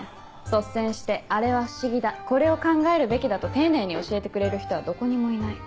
率先してあれは不思議だこれを考えるべきだと丁寧に教えてくれる人はどこにもいない。